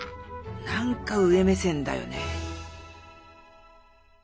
なんか上目線だよね。